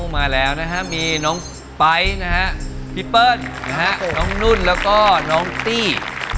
มาแล้วนะฮะมีน้องไป๊นะฮะพี่เปิ้ลนะฮะน้องนุ่นแล้วก็น้องตี้